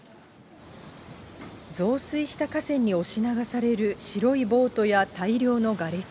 増水した河川に押し流される白いボートや大量のがれき。